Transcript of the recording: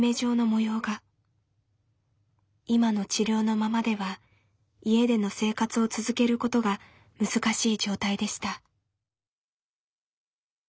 今の治療のままでは家での生活を続けることが難しい状態でした。